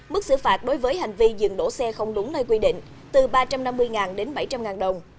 mức xử phạt đối với hành vi dừng đổ xe không đúng nơi quy định từ ba trăm năm mươi đến bảy trăm linh đồng